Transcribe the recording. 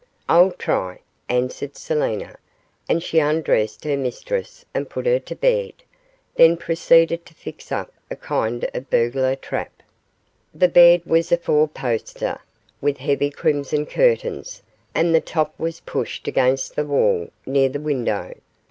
'I'll try,' answered Selina, and she undressed her mistress and put her to bed, then proceeded to fix up a kind of burglar trap. The bed was a four poster, with heavy crimson curtains, and the top was pushed against the wall, near the window.